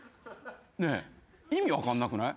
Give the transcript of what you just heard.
ねえ意味分かんなくない？